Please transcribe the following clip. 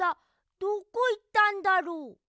どこいったんだろう。